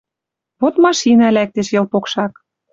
Вот машина лӓктеш Йыл покшак